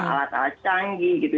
alat alat canggih gitu